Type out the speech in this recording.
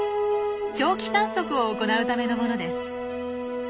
長期観測を行うためのものです。